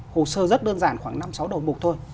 hồ sơ rất đơn giản khoảng năm sáu đầu mục thôi